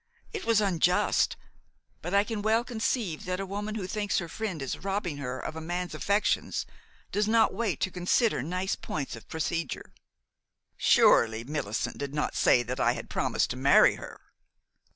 It was unjust; but I can well conceive that a woman who thinks her friend is robbing her of a man's affections does not wait to consider nice points of procedure." "Surely Millicent did not say that I had promised to marry her?"